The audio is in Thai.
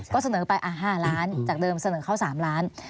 ก็เสนอไป๕ล้านจากเดิมเสนอเข้า๓ล้าน